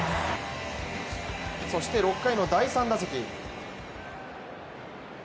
そして６回の第３打席。